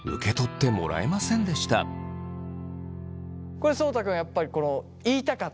これそうた君はやっぱり言いたかった？